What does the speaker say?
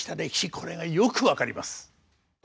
これがよく分かります。